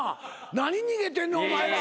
何逃げてんねんお前ら。